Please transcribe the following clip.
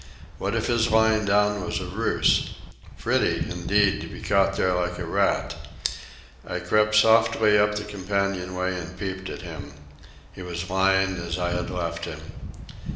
What if his lying down were a ruse? Pretty, indeed, to be caught there like a rat. I crept softly up the companion way and peeped at him. He was lying as I had left him.